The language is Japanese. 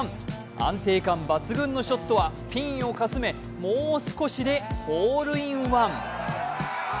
安定感抜群のショットはピンをかすめ、もう少しでホールインワン。